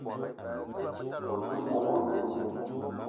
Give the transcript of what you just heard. O te wok oloun